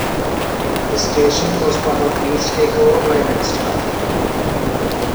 The station was part of V's takeover by Remstar.